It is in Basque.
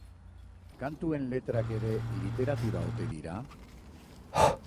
Kantuen letrak ere literatura ote dira?